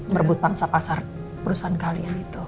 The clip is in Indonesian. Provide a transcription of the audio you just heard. merebut pangsa pasar perusahaan kalian itu